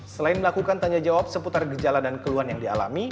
selain melakukan tanya jawab seputar gejala dan keluhan yang dialami